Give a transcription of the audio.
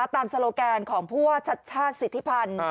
โซโลแกนของผู้ว่าชัดชาติสิทธิพันธ์